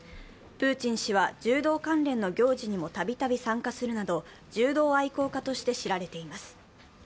プーチン氏は柔道関連の行事にもたびたび参加するなど、柔道愛好家として知られています。